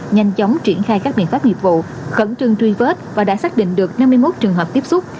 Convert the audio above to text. nhanh chóng triển khai các biện pháp nghiệp vụ khẩn trương truy vết và đã xác định được năm mươi một trường hợp tiếp xúc